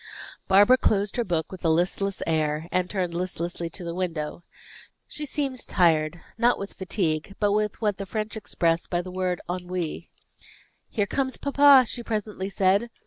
Barbara closed her book with a listless air, and turned listlessly to the window. She seemed tired, not with fatigue but with what the French express by the word ennui. "Here comes papa," she presently said.